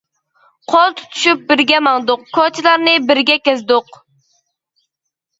قول تۇتۇشۇپ بىرگە ماڭدۇق، كوچىلارنى بىرگە كەزدۇق.